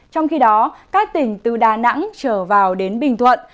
trong khi đó các tỉnh từ đà nẵng trở vào đến bình thuận